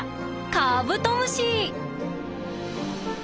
カブトムシ！